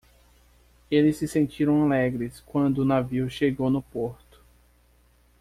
Eles se sentiram alegres quando o navio chegou no porto.